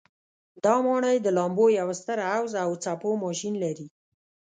دا ماڼۍ د لامبو یو ستر حوض او څپو ماشین لري.